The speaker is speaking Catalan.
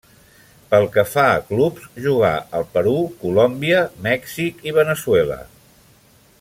Pel que fa a clubs, jugà al Perú, Colòmbia, Mèxic i Veneçuela.